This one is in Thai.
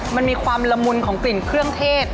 มันมีความละมุนของกลิ่นเครื่องเทศ